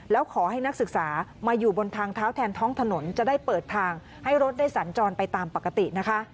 แล้วขอให้นักศึกษามาอยู่บนทางเท้าแทนท้องถนนจะได้เปิดทางให้รถได้สัญจรไปตามปกตินะคะ